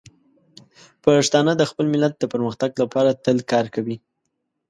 پښتانه د خپل ملت د پرمختګ لپاره تل کار کوي.